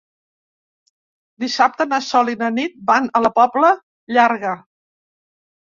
Dissabte na Sol i na Nit van a la Pobla Llarga.